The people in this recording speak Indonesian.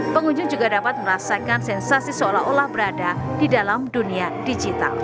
pengunjung juga dapat merasakan sensasi seolah olah berada di dalam dunia digital